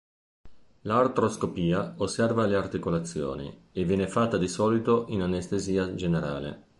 L'artroscopia osserva le articolazioni, e viene fatta di solito in anestesia generale.